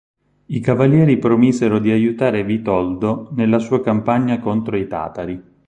I Cavalieri promisero di aiutare Vitoldo nella sua campagna contro i tatari.